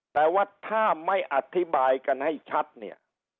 แต่ว่าถ้าไม่อธิบายกันให้ชัดเนี่ย